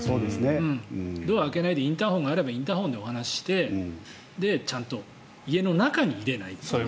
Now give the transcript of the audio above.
ドアを開けないでインターホンがあればインターホンでお話しして家の中に入れない。